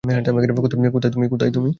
কোথায় তুমি, অর্জুন?